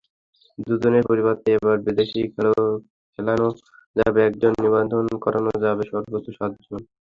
দুজনের পরিবর্তে এবার বিদেশি খেলানো যাবে একজন, নিবন্ধন করানো যাবে সর্বোচ্চ সাতজন।